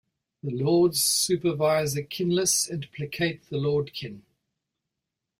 The Lords supervise the kinless and placate the Lordkin.